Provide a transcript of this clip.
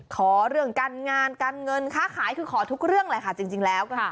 ขอเรื่องการงานการเงินค้าขายคือขอทุกเรื่องเลยค่ะจริงแล้วก็